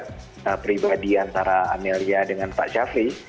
di chat chat pribadi antara amelia dengan pak syafri